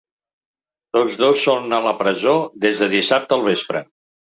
Tots dos són a la presó des de dissabte al vespre.